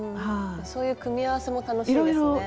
そういう組み合わせも楽しいですね。